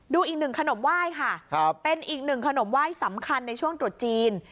ดูอีกหนึ่งขนมไหว้ค่ะเป็นอีกหนึ่งขนมไหว้สำคัญในช่วงตรุษจีน